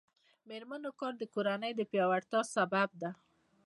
د میرمنو کار د کورنۍ پیاوړتیا سبب دی.